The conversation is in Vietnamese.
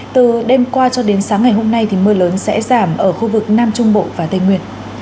từ đêm qua cho đến sáng ngày hôm nay thì mưa lớn sẽ giảm ở khu vực nam trung bộ và tây nguyên